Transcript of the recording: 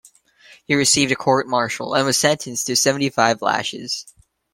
He received a court-martial, and was sentenced to seventy-five lashes.